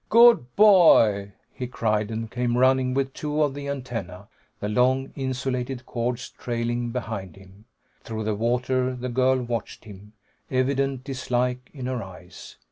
"Good boy!" he cried, and came running with two of the antennae, the long insulated cords trailing behind him. Through the water the girl watched him, evident dislike in her eyes.